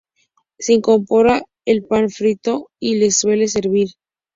Se incorpora el pan frito, y se suele servir.